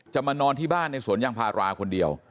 มานอนที่บ้านในสวนยางพาราคนเดียว